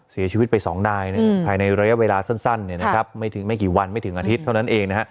เสียชีวิตไป๒นายภายในระยะเวลาสั้นไม่ถึงไม่กี่วันไม่ถึงอาทิตย์เท่านั้นเอง